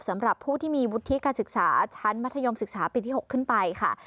สำหรับผู้ที่มีวุฒิการศึกษาชั้นมัธยมศึกษาปีที่๖ขึ้นไปค่ะ